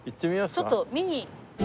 ちょっと見に。